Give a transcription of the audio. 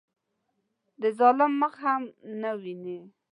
د ظالم مخ هم نه ویني.